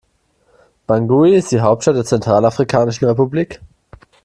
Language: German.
Bangui ist die Hauptstadt der Zentralafrikanischen Republik.